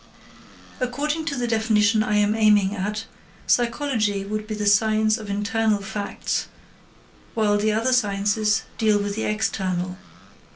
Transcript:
According to the definition I am aiming at, psychology would be the science of internal facts, while the other sciences deal with the external.